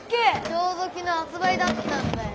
ちょうどきのうはつばいだったんだよ。